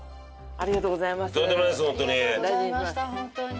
ありがとうございました本当に。